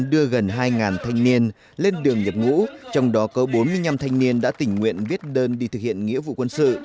đưa gần hai thanh niên lên đường nhập ngũ trong đó có bốn mươi năm thanh niên đã tình nguyện viết đơn đi thực hiện nghĩa vụ quân sự